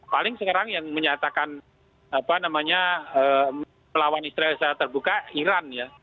paling sekarang yang menyatakan melawan israel secara terbuka iran ya